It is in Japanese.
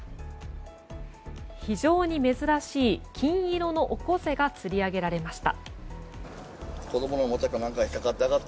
非常に珍しい金色のオコゼが釣り上げられました。